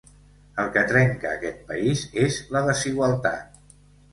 El que trenca aquest país és la desigualtat.